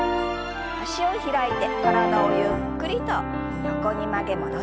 脚を開いて体をゆっくりと横に曲げ戻しましょう。